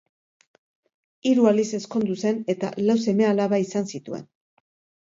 Hiru aldiz ezkondu zen eta lau seme-alaba izan zituen.